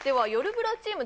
ブラチーム